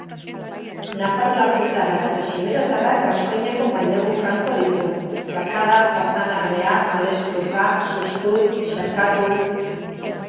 Nafar-lapurtarrak eta xiberotarrak gaskoineko mailegu franko ditu: "krakada", "pastanagrea", "malestruka", "sustut", "xerkatu"...